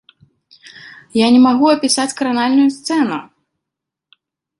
Я не магу апісаць кранальную сцэну!